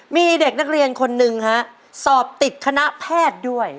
มีเด็กนักเรียนคนหนึ่งฮะสอบติดคณะแพทย์ด้วย